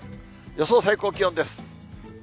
予想最高気温です。